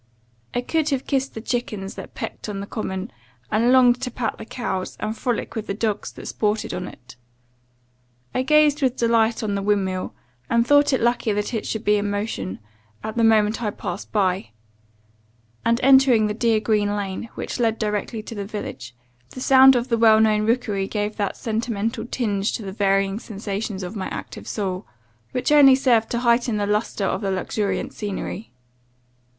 I could have kissed the chickens that pecked on the common; and longed to pat the cows, and frolic with the dogs that sported on it. I gazed with delight on the windmill, and thought it lucky that it should be in motion, at the moment I passed by; and entering the dear green lane, which led directly to the village, the sound of the well known rookery gave that sentimental tinge to the varying sensations of my active soul, which only served to heighten the lustre of the luxuriant scenery.